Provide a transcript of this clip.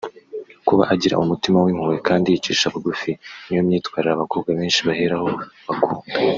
Kuba agira umutima w’impuhwe kandi yicisha bugufi ni yo myitwarire abakobwa benshi baheraho bakunda